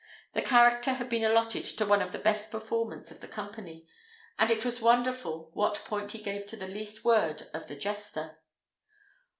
This character had been allotted to one of the best performers of the company; and it was wonderful what point he gave to the least word of the jester.